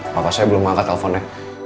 bapak saya belum mengangkat teleponnya